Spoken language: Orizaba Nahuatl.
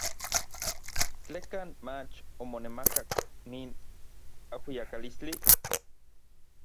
¿Tlekan mach omonemakak nin ajuiakalistli.